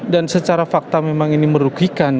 dan secara fakta memang ini merugikan